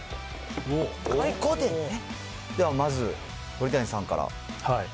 ではまず鳥谷さんから。